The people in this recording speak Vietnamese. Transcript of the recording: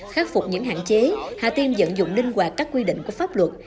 khắc phục những hạn chế hà tiên dẫn dụng linh hoạt các quy định của pháp luật